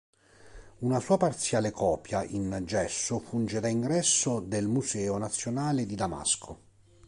Una sua parziale copia in gesso funge da ingresso del Museo nazionale di Damasco.